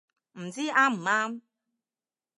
唔知啱唔啱